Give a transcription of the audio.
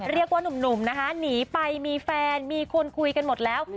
นุ่มนะคะหนีไปมีแฟนมีคนคุยกันหมดแล้ว